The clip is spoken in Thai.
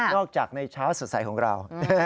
อกจากในเช้าสดใสของเรา